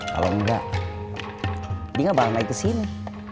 kalau enggak tinggal balik ke sini